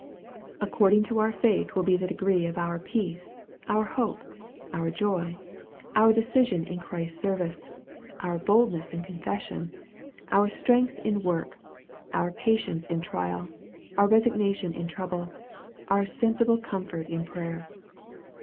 According to our faith will be the degree of our peace, our hope, our joy, our decision in Christ's service, our boldness in confession, our strength in work, our patience in trial, our resignation in trouble, our sensible comfort in prayer.